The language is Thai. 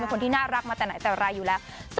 คนที่น่ารักมาแต่ไหนแต่ไรอยู่แล้ว